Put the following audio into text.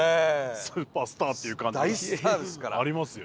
スーパースターっていう感じがありますよ。